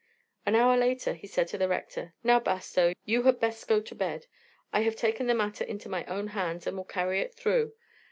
An hour later he said to the Rector: "Now, Bastow, you had best go to bed. I have taken the matter into my own hands, and will carry it through.